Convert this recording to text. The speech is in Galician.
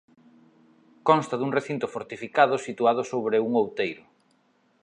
Consta dun recinto fortificado situado sobre un outeiro.